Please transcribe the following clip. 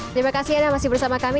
terima kasih ada yang masih bersama kami